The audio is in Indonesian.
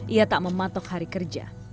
ia tak mematok hari kerja